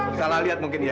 bu salah lihat mungkin ya